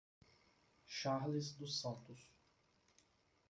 Charles dos Santos